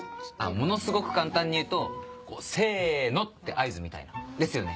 ものすごく簡単に言うと「せの」って合図みたいな。ですよね？